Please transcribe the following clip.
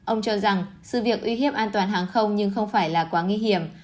ông cho rằng sự việc uy hiếp an toàn hàng không nhưng không phải là quá nguy hiểm